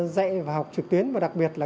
dạy và học trực tuyến và đặc biệt là